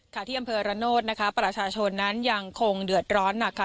ที่อำเภอระโนธนะคะประชาชนนั้นยังคงเดือดร้อนหนักค่ะ